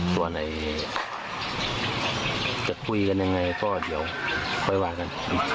ตัวไหนจะคุยกันยังไงก็เดี๋ยวค่อยว่ากัน